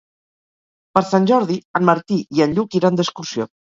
Per Sant Jordi en Martí i en Lluc iran d'excursió.